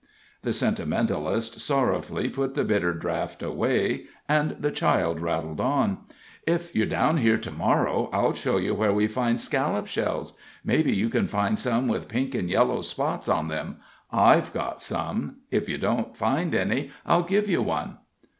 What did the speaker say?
The sentimentalist sorrowfully put the bitter draught away, and the child rattled on: "If you're down here to morrow, I'll show you where we find scallop shells; maybe you can find some with pink and yellow spots on them. I've got some. If you don't find any, I'll give you one."